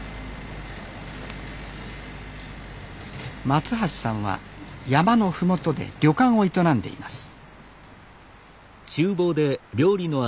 松橋さんは山の麓で旅館を営んでいます